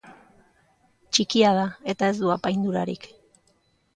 Txikia da eta ez du apaindurarik.